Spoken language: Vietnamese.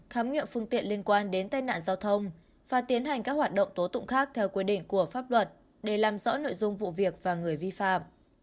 khám nghiệm phương tiện liên quan đến tai nạn giao thông và tiến hành các hoạt động tố tụng khác theo quy định của pháp luật để làm rõ nội dung vụ việc và người vi phạm